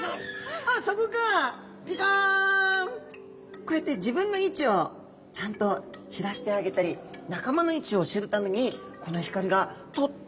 こうやって自分の位置をちゃんと知らせてあげたり仲間の位置を知るためにこの光がとっても役立つんですね。